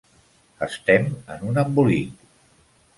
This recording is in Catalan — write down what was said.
Estem en un embolic.